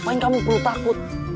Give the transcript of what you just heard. apa yang kamu perlu takut